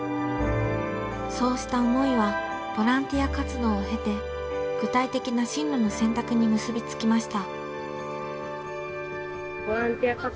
そうした思いはボランティア活動を経て具体的な進路の選択に結び付きました。